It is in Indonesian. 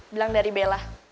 bilang dari bella